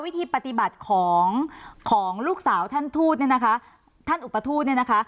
วิธีปฏิบัติของของลูกสาวท่านทูตเนี่ยนะคะท่านอุปทูตเนี่ยนะคะ